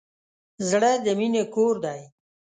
زړه د مینې کور دی.